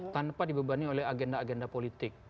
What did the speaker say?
tanpa dibebani oleh agenda agenda politik